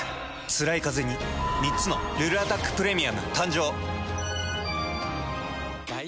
つらいカゼに３つの「ルルアタックプレミアム」誕生。